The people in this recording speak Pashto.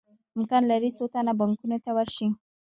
امکان لري څو تنه بانکونو ته ورشي